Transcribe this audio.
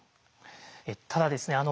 ただですね